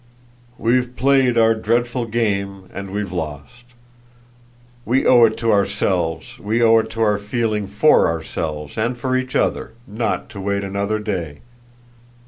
"We've played our dreadful game and we've lost. We owe it to ourselves, we owe it to our feeling FOR ourselves and for each other, not to wait another day.